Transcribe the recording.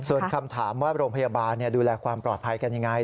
ส่วนคำถามว่าโรงพยาบาลดูแลความปลอดภัยกันยังไง